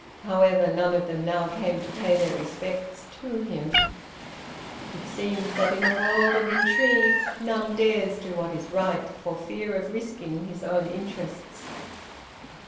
However, none of them now came to pay their respects to him. It seems that in a world of intrigue none dares do what is right for fear of risking his own interests.